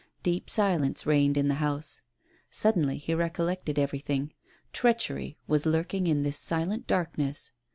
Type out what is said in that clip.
Deep silence reigned in the house. Suddenly he recollected everything ; treachery was lurking in this silent darkness.